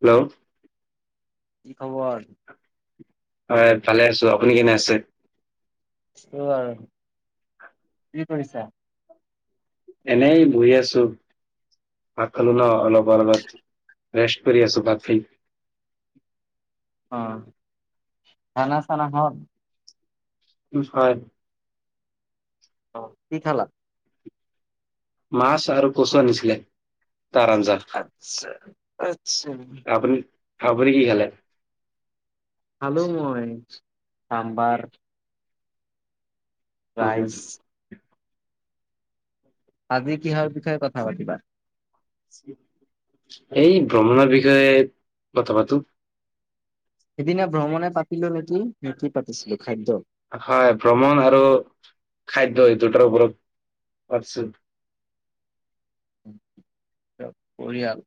Hello. কি খবৰ? হয় ভালে আছো। আপুনি কেনে আছে? ত আৰু কি কৰিছা? এনেই বহি আছো। ভাত খালোঁ ন অলপ [unintelligible] ৰেষ্ট কৰি আছো ভাত খাই। [unintelligible] অ চানা চানা হ হয়। অ কি খালা? মাছ আৰু কচু আনিছিলে। তাৰ আঞ্জা। আচ্ছা আচ্ছা আপুনি? আপুনি কি খালে? বলো মই চাম্বাৰ উম, ৰাইচ আজি কিহৰ বিষয়ে কথা পাতিবা? এই ভ্ৰমণৰ বিষয়ে কথা পাতো। সিদিনা ভ্ৰমণে পাতিলো নেকি? নে কি পাতিছিলো খাদ্য। হয় ভ্ৰমণ আৰু খাদ্য এই দুটাৰ ওপৰত। [unintelligible] এ পৰিয়াল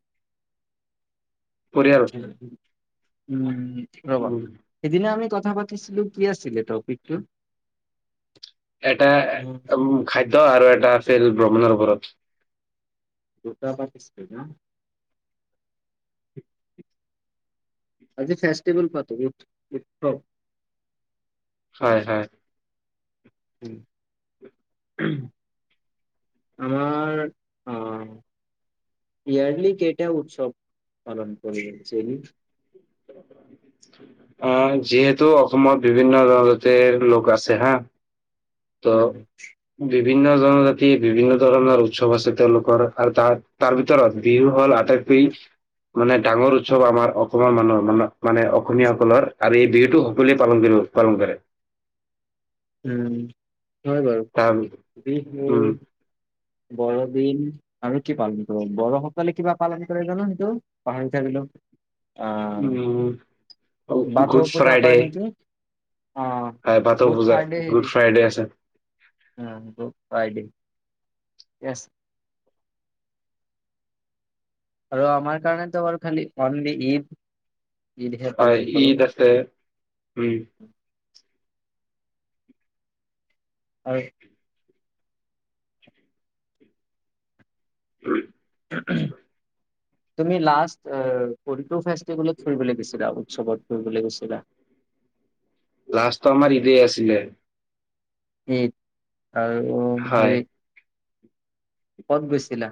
পৰিয়াল উ ৰব উম সিদিনা আমি কথা কথা পাতিছিলো কি আছিলে টপিকটো? এটা উ খাদ্য আৰু এটা আছিল ভ্ৰমণৰ ওপৰত। দুটা পাতিছিলো ন? আজি ফেষ্টিভেল পাত উ উৎসৱ হয় হয়। উম। [unintelligible] আমাৰ অ ইয়াৰ্লি কেইটা উৎসৱ পালন কৰি [unintelligible] চ আহ যিহেতু অসমত বিভিন্ন ধৰণৰ লোক আছে হা। উ ত' বিভিন্ন জনজাতি বিভিন্ন ধৰণৰ উৎসৱ আছে। তেওঁলোকৰ আৰু তাত তাৰ ভিতৰত বিহু হল আটাইত ফ্ৰি মানে ডাঙৰ উৎসৱ আমাৰ অসমৰ মানুহৰ মান মানে অসমীয়াসকলৰ আৰু এই বিহুটো সকলোৱে পালন কৰিব। পালন কৰে। উম হয় বাৰু তাৰ বিহু। উম বৰদিন আৰু কি পালন কৰে? বড়ো সকলে কিবা পালন কৰে জানো সেইটো পাহৰি থাকিলো? উম আহ গুড বাথৌ পূজা ফ্ৰাইডে পাই নেকি? অ হয় ভাটৌ পূজা গুড ফ্ৰাইডে আছে। উ গাই [unintelligible] আৰু আমাৰ কাৰণেেতো বাৰ খালি অনলি ঈদ ঈদহে হয় পালন কৰো ঈদ আছে উম। হয়। উ [unintelligible] তুমি লাজ কোনটো ফেচ ফুৰিবলৈ গৈছিলা উৎসৱত ফুৰিবলৈ গৈছিলা। লাষ্টটো আমাৰ ঈদেই আছিলে। উম আৰু হয় হেৰি ক'ত গৈছিলা!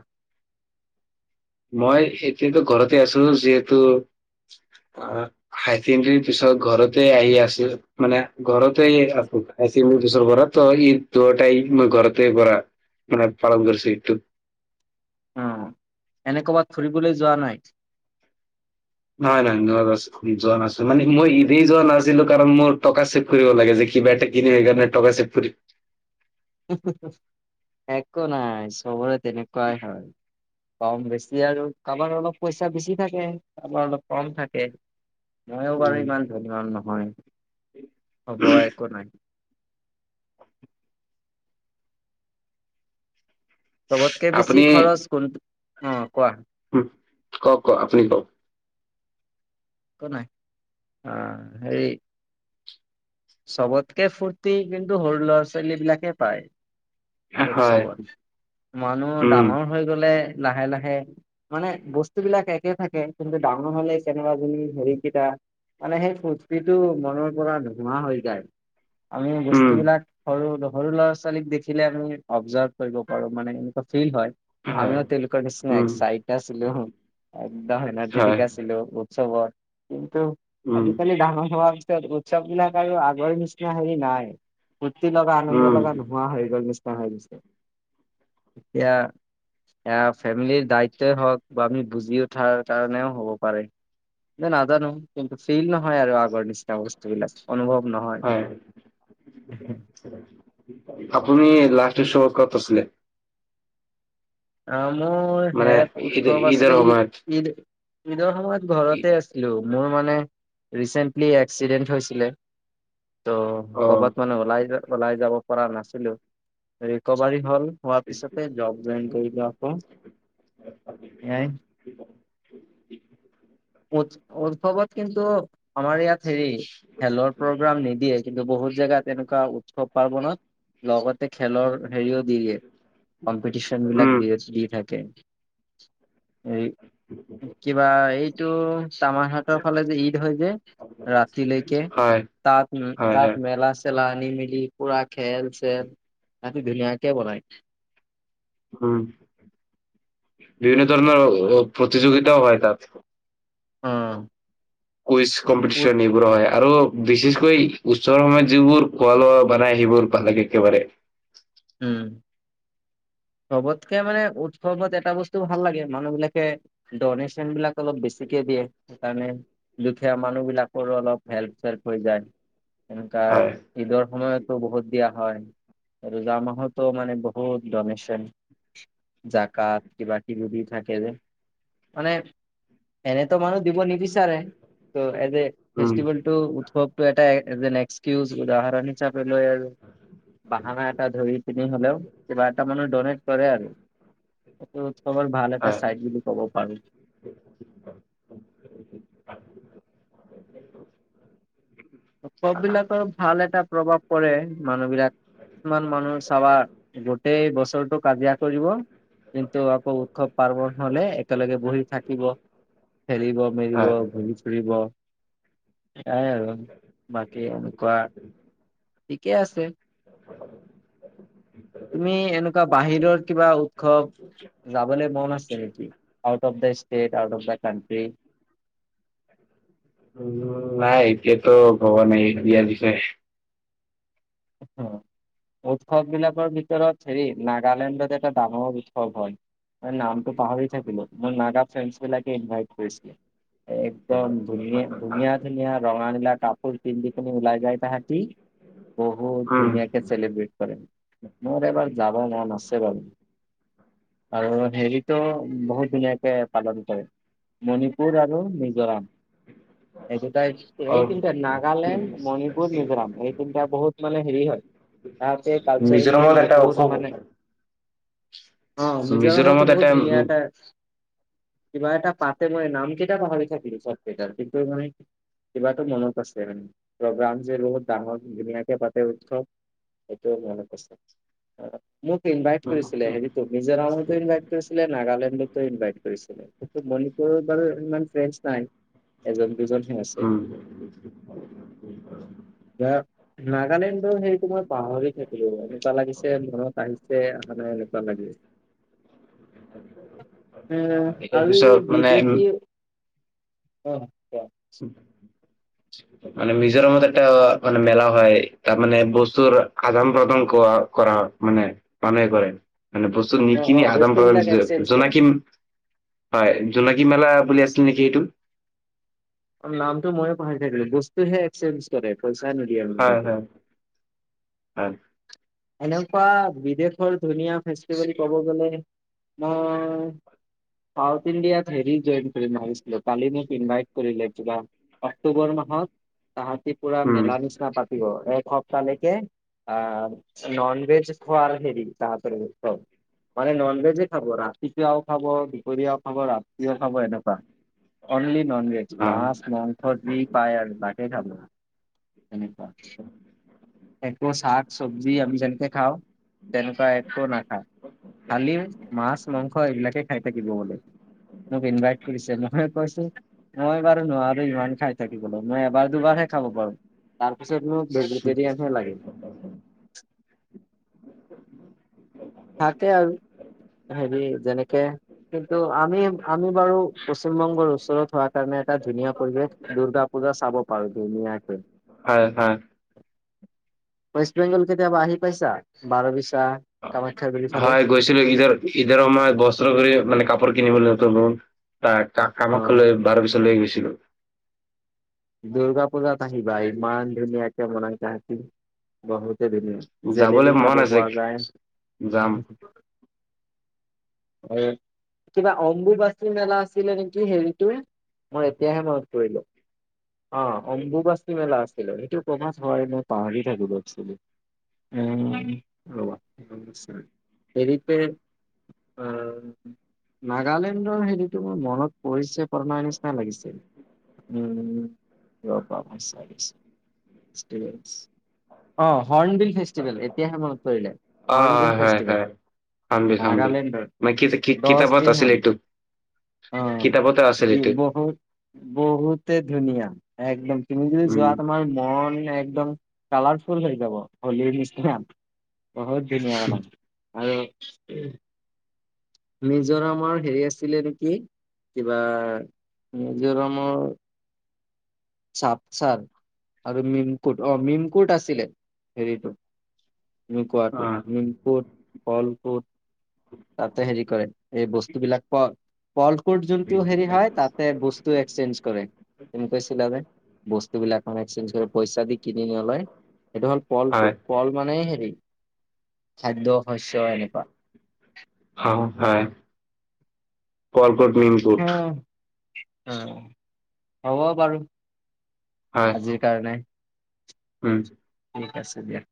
মই এতিয়াতো ঘৰতে আছো যিহেতু অৱ হাই ছেকেণ্ডৰী পিছত ঘৰতে আহি আছো মানে ঘৰতে আছো। আছে মোৰ দোচৰ পৰাৰা ত ই দহটাই মই ঘৰতে কৰা। মানে ফাৰ্মাচী গৈছে এইটো উম এনে ক'বাত ফুৰিবলৈ যোৱা নাই। নহয় নহয় যোৱা নাছিলো মানে মই ইভেন যোৱা নাছিলো কাৰণ মোৰ, - টকা চেভ কৰিব লাগে যে কিবা এটা কিনি সেই কাৰণে টকা চেভ কৰি একো নাই চবৰে তেনেকুৱাই হয়। কম বেছি আৰু কাৰোবাৰ অলপ পইচা বেছি থাকে কাৰোবাৰ অলপ কম থাকে। ময়ো বাৰু উম, ইমান ধনী নহয় হ'ব একো নাই। চবতকে বেছি আপুনি খৰচ কোনটো অ। কোৱা উম কওক কওক আপুনি কওক কোৱা নাই অ হেৰি চবতকে ফূুৰ্তি কিন্তু সৰু ল'ৰা ছোৱালী বিলাকে পায়। হয়, উৎসৱত মানুহ উম, ডাঙৰ হৈ গলে লাহে লাহে মানে বস্তুবিলাক একে থাকে কিন্তু ডাঙৰ হলে কেনেৰা বুলি হেৰিকেইটা মানে সেই ফূুৰ্তিটো মনৰ পৰা ন নোৱা হৈ গায় আমি বস্তু উম, বিলাক সৰু সৰু ল'ৰা-ছোৱালীক দেখিলে আমি অৱজাৰ্ভ কৰিব পাৰো মানে এনেকুৱা ফিল হয়। হয়, আমিও তেনেকুৱা উম, নিচিনাএক্সাইজ আছিলো একদম এনাৰ্জেটিক হয়, আছিলো। চবৰ কিন্তু উম, আজিকালি ডাঙৰ হোৱা [unintelligible] চব বিলাক আৰু আগৰ নিচিনা হেৰি নাই ফূৰ্তি লগা আনন্দ উম, লগা নোহোৱা হৈ গ'ল নিচিনা। পাহৰিছে, এতিয়া এ ফেমিলিৰ দায়িত্বই হওক বা আমি বুজি উঠাৰ কাৰণেও হ'ব পাৰে। ন নাজানো কিন্তু ফেইিল নহয় আৰু আগৰ নিচিনা বস্ত হয় আপুনি লা [unintelligible] ফছিলে আহ মোৰ মানে শেষ ঈদ উৎসৱ ঈদৰ আছিলে ইঈ সময়ত? ঈদ ঈদৰ সময়ত ঘৰতে আছিলো। মোৰ মানে ৰিচেণ্টলি এক্সিডেণ্ট হৈছিলে। ত' অ', কৰ'বাত মানে ওলাই ওলাই যাব পৰা নাছিলো ৰিকভাৰী হ'ল হোৱা পিছতে জব জইন কৰি লোৱা আক [unintelligible] উৎসৱত কিন্তু আমাৰ ইয়াত হেৰি খেলৰ প্ৰগ্ৰাম নিদিয়ে কিন্তু বহুত জেগা তেনেকোৱো উৎসৱ পাৰ্বনত লগতে খেলৰ হেৰিও দি দিয়ে কম্পিটিশন বিলাক উম। দিয়ে দি থাকে এই কিবা এই টো চামাৰ হাতৰ ফালে যে ঈদ হৈ য ৰাতিলৈকে হয়, তাত হয়, হয়, তাত মেলা চেলা পানি মিলি পুৰা খেল চেল হেতি ধুনিয়াকে বনাই। উম বিভিন্ন ধৰণৰ প্ৰতিযোগিতাও হয় তাত। অ কুইজ উত কম্পিটিশন সেইবোৰ হয়। আৰু বিশেষকৈ ওচৰৰ সময়ত যিবোৰ খোৱা লোৱা বনাই সেইবোৰ ভাল লাগে একেবাৰে। উম চবতকে মানে উৎসৱত এটা বস্তু ভাল লাগে মানুহ বিলাকে ডনেশ্যন বিলাক অলপ বেছিকে, সেয়ে সেইকাৰণে দুখীয়া মানুহ বিলাকৰো অলপ হেল্প চেল্প হৈ যায়। এনেকা হয়, ঈদৰ সময়তো বহুত দিয়া হয়। যোৱা মাহতো মানে বহুত ডনেচন জাকাত কিবা কিবি দি থাকে যে, মানে এনেতো মানুহ দিব নিবিচাৰে ত ফ্ৰাইদে উম, ফেষ্টিভেলটো খব এটা এক্সিউজ উদাহৰণ হিচাপে লৈ আৰু বাহানা ধৰি পিনি হলেও কিবা এটা মানুহ ড'নেট কৰে আৰু তোমাৰ ভাল এটা হয়, চাইজ বুলি ক'ব পাৰো। সব বিলাকৰ ভাল এটা প্ৰভাৱ পৰে মানুহবিলাক কিছুমান মানুহ চাবা গোটেই বছৰটো কাজিয়া কৰিব, কিন্তু আকৌ উৎসৱ পাৰ্বন হলে একেলগে বহি থাকিব খেলিব মেলিব হয়। ঘূৰি ফুৰিব এয়াই আৰু। বাকী এনেকোৱা ঠিকেই আছে। তুমি এনেকোৱা বাহিৰৰ কিবা উৎসৱ যাবলৈ মন আছে নেকি out of the state, out of the country. Um নাই এতিয়াটো ভৱা নাই এতিয়া বিষয়ে। অ উৎসৱ বিলাকৰ ভিতৰত হেৰি নাগালেণ্ডত এটা ডাঙৰ উৎসৱ হয় নামটো পাহৰি থাকিলো মোৰ নাগা ফ্ৰেণ্ডছ বিলাকে ইনভাইট কৰিছিলে। একদম ধুন ধুনীয়া ধুনীয়া ৰঙা নীলা কাপোৰ পিন্ধি কিনি ওলাই যায় তাহঁতি। বহুত উম, ধুনীয়াকে চেলিব্ৰেট কৰে। মোৰ এবাৰ যাব মন আছে বাৰু আৰু হেৰিটো বহুত ধুনীয়াকে পালন কৰে। মণিপুৰ আৰু মিজোৰাম। এইটো ত এই অ'। তিনিটা নাগালেণ্ড মণিপুৰ মিজোৰাম এই তিনিটা বহুত মানে হেৰি হয় তাহতে কালচাৰেলি মিজোৰামত এটা উৎসৱ, বহুত মানে অ মিজোৰামতো মিজোৰামত বহুত এটা উম, ভেলিয়া এটাৰ কিবা এটা পাতে মই নামকেইটা পাহৰি থাকিলো চব কেইটাৰ কিন্তু মান কিবাটো মনত আছে মানে, প্ৰগ্ৰাম যে বহুত ডাঙৰ ধুনী কেইবাটাও উৎসৱ সেটো মনত আছে। মোক ইনভাইট উম, কৰিছিলে। তুমি জনা মতে ইনভাইট কৰিছিলে নাগালেণ্ডত তাতে ইনভাইট কৰিছিল, কিন্তু মণিপুৰত বাৰু ইমান ফ্ৰেণ্ডছ নাই। এজন দুজনহে আছে উম, বা নাগালেণ্ডৰ সেইটো মই পাহৰি থাকিলো, এনেকুৱা লাগিছে মনত আহিছে অহা নাই এনেকুৱা লাগি, উম ইয়াৰ আৰুি পিছত মানে বিদেশী উম মানে মিজোৰামত এটা মানে মেলা হয় তাৰ মানে বস্তুৰ আদান প্ৰদান কৰা হয়। মানে মানুহে কৰে, মানে বস্তু অ', নিকিনি অ', আদান বস্তু বিলাক প্ৰদান এক্সচেঞ্জ কৰে। জোনাকিম হয় জোনাকী মেলা বুলি আছিল নেকি এইটো। নামটো মই পাহৰি থাকিলো। বস্তুহে একসচেঞ্জ হয় কৰে হয় হয় [unintelligible] এনেকুৱা বিদেশৰ ধুনীয়া ফেষ্টিভেল ক'ব গলে মই ইণ্ডিয়াত হেৰি জইন কৰিছিল কালি মোক ইনভাইট কৰিলে অক্টোবৰ মাহত তাহতি পুৰা উম মেলা নিচিনা পাতিব এসপ্তাহ লেকে আহ ননভেজ খোৱাৰ হেৰি তপ মানে নন ভেজে খাব ৰাতিপুৱাও খাব দুপৰীয়াও খাব ৰাতিও খাব এনেকুৱা অনলি ননভেজ অ মাছ মংস পায় আৰু বাকে খাব তেনেকুৱা একো শাক চবজি যি আমি যেনেকে খাওঁ তেনেকুৱা একো নাখায় খালি মাছ মাংস এইবিলাকে খাই থাকিব বোলে মোক ইনভাইট কৰিছে মই কৈছো মই বাৰু নোৱাৰো ইমান খাই থাকিব লে মই এবাৰ দুবাৰহে খাব পাৰো তাৰ পিছত মোক ভেজিটেৰিয়ানহে লাগে। থাকে আৰু হেৰি যেনেকে কিন্তু আমি আমি বাৰু পশ্চিম বংগৰ ওচৰত হোৱা কাৰণে এটা ধুনীয়া পৰ্যাত দুৰ্গা পূজা চাব পাৰো ধুনীয়াক হয় হয় ৱেষ্ট বেংগল কেতিয়াবা আহি পাইছা বাৰ বিছা হয় গৈছিলো ঈদৰ ঈদৰ সময়ত বস্ত্ৰ কৰি মানে কাপোৰ কিনিবলৈ ত অ কামাখ্যা লৈ বাৰ বছৰ ল গৈছিল দুৰ্গা পূজাত আহিবা ইমান ধুনিয়াক মনতছিল বহুত যাবলৈ জেলেপী মন খাব আছে প যায় যাম হয় কিবা অম্বুবাচী মেলা আছিলে নেকি হেৰিটোয়ে মই এতিয়াহে মনত পৰিলো অ অম্বুবাচি মেলা আছিল সেইটো কমাছ হয় মই পাহৰি থাকিলো এক্সলী উ অ ৰবা হেৰিতে অ নাগালেণ্ডৰ হেৰিতো মোৰ মনত পৰিছে কৰনা নিচিনা লাগিছিল [unintelligible] হৰ্ণবিল ফেষ্টিভেল এতিয়াহে মনত পৰিলে অ হৰ্ণবিল হয় হয় হয় ফেষ্টিভেল। হৰ্ণবিল হৰ্ণবিল নাগালেণ্ডৰ মানে কি- কি- দহ কিতাপত দিন আছিল হয় এইটো অ কিতাপতে আছিল এই এইটো বহুত বহুতে। ধুনীয়া একদম তুমি যদি যোৱা উম তোমাৰ মন একদম কালাৰফুল হৈ যাব হলীৰ নিচিনা বহুত ধুনীয়া নাম আৰু মিজোৰামৰ হেৰি আছিলে নেকি। কিবা মিজিৰামৰ। চাপচাৰ আৰু মিমকুট অ মিমকুট আছিলে হেৰিটো ন অ কোৱাটো নিমকোট ফলকোট তাতে হেৰি কৰে এই বস্তুবিলাক পঢ পল কোড যোনটো হেৰি হয় তাতে বস্তু এক্সেঞ্জ কৰে কৈ বস্তুবিলাক এ এক্সেঞ্জ পইচা দি কিনি নলয়। এইটো হ'ল পল হয় ফুট পল মানে হেৰি খাদ্য শস্য এনেকুৱা। আহ হ কলকট মিনকুট [unintelligible] অহ হ'ব বাৰু হয় আজিৰ কাৰণে অহ উম ঠিক আছে দিয়া।